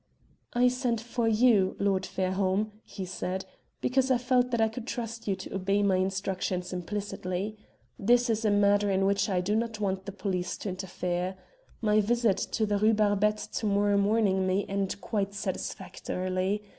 "I sent for you, Lord Fairholme," he said, "because I felt that I could trust you to obey my instructions implicitly. This is a matter in which I do not want the police to interfere. My visit to the Rue Barbette to morrow morning may end quite satisfactorily.